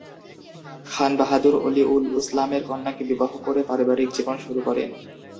খান বাহাদুর ওলি উল ইসলামের কন্যাকে বিবাহ করে পারিবারিক জীবন শুরু করেন।